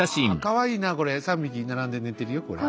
かわいいなこれ３匹並んで寝てるよこれ。